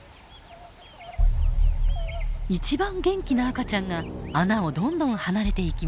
一番元気な赤ちゃんが穴をどんどん離れていきます。